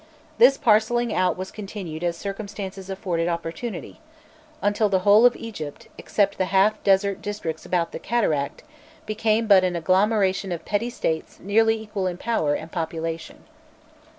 This parcelling out was continued as circumstances afforded opportunity, until the whole of Egypt, except the half desert districts about the cataract, became but an agglomeration of petty states nearly equal in power and population.